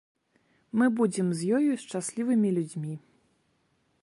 Мы будзем з ёю шчаслівымі людзьмі.